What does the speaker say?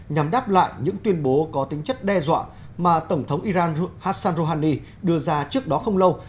nhằm đáp lại những tuyên bố có tính chất đe dọa mà tổng thống iran hassan rouhani đưa ra trước đó không lâu